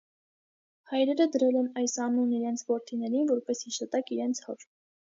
Հայրերը դրել են այս անունն իրենց որդիներին որպես հիշատակ իրենց հոր։